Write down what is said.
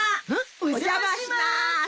お邪魔しまーす！